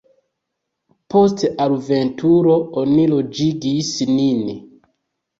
Post alveturo oni loĝigis nin.